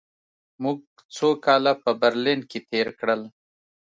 موږ څو کاله په برلین کې تېر کړل